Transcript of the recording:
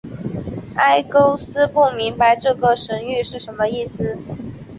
埃勾斯不明白这个神谕是什么意思。